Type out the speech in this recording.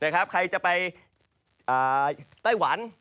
ใครจะไปไต้หวัน